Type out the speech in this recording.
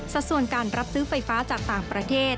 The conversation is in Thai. ส่วนการรับซื้อไฟฟ้าจากต่างประเทศ